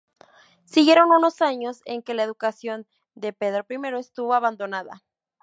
Siguieron unos años en que la educación de Pedro I estuvo abandonada.